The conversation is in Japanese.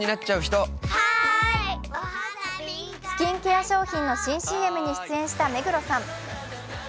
スキンケア商品の新ＣＭに出演した目黒さん。